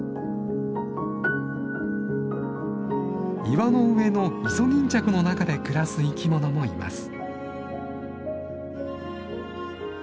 岩の上のイソギンチャクの中で暮らす生きものもいます。